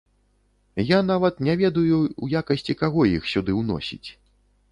Я нават не ведаю, у якасці каго іх сюды ўносіць?